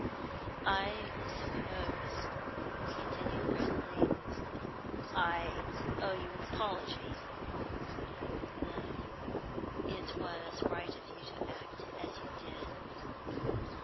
"I suppose," he continued presently, "I owe you an apology." "None. It was right of you to act as you did."